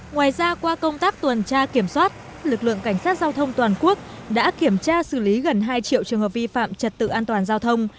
ngoài ra qua công tác tuần tra kiểm soát lực lượng cảnh sát giao thông toàn quốc đã kiểm tra xử lý gần hai triệu trường hợp vi phạm trật tự an toàn giao thông